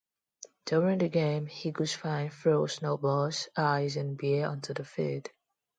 During the game, Eagles' fans threw snowballs, ice, and beer onto the field.